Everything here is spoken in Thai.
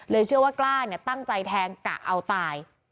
เชื่อว่ากล้าตั้งใจแทงกะเอาตาย